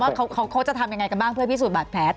ว่าเขาจะทำยังไงกันบ้างเพื่อพิสูจนบาดแผล